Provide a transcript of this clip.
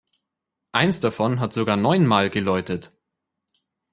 Eins davon hat sogar neunmal geläutet.